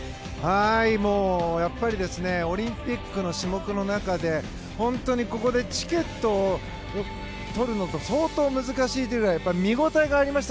やっぱりオリンピックの種目の中で本当にここでチケットを取るの相当難しいぐらい見応えがありました。